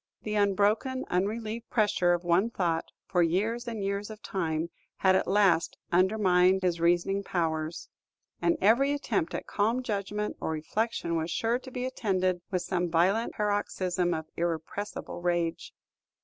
The unbroken, unrelieved pressure of one thought, for years and years of time, had at last undermined his reasoning powers; and every attempt at calm judgment or reflection was sure to be attended with some violent paroxysm of irrepressible rage.